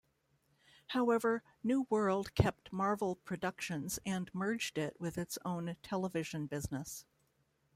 However, New World kept Marvel Productions and merged it with its own television business.